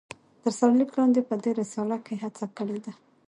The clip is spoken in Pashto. تر سر ليک لاندي په دي رساله کې هڅه کړي ده